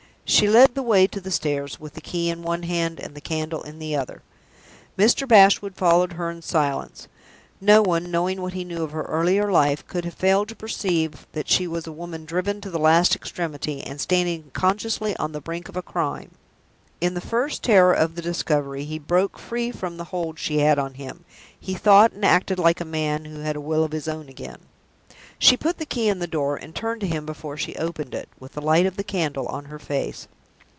She led the way to the stairs, with the key in one hand, and the candle in the other. Mr. Bashwood followed her in silence. No one, knowing what he knew of her earlier life, could have failed to perceive that she was a woman driven to the last extremity, and standing consciously on the brink of a Crime. In the first terror of the discovery, he broke free from the hold she had on him: he thought and acted like a man who had a will of his own again. She put the key in the door, and turned to him before she opened it, with the light of the candle on her face.